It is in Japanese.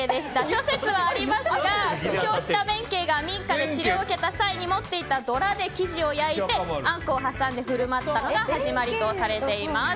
諸説はありますが負傷した弁慶が民家で治療を受けた際に持っていた、どらで生地を焼いてあんこを挟んで振る舞ったのが始まりとされています。